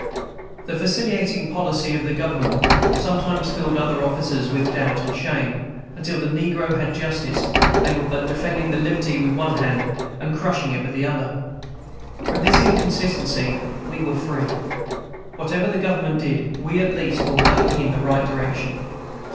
The vacillating policy of the Government sometimes filled other officers with doubt and shame; until the negro had justice, they were but defending liberty with one hand and crushing it with the other. From this inconsistency we were free. Whatever the Government did, we at least were working in the right direction.